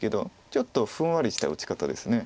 ちょっとふんわりした打ち方です。